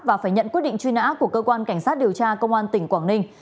và phải nhận quyết định truy nã của cơ quan cảnh sát điều tra công an tỉnh quảng ninh